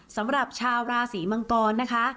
สำหรับชาวราศีมังกรนะคะ